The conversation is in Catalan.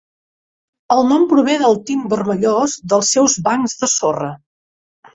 El nom prové del tint vermellós dels seus bancs de sorra.